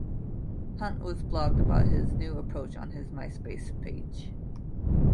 Hunt has blogged about his new approach on his MySpace page.